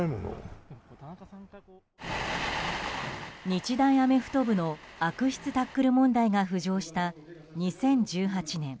日大アメフト部の悪質タックル問題が浮上した２０１８年。